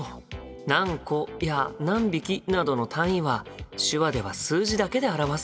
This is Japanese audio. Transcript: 何個や何匹などの単位は手話では数字だけで表すんだ。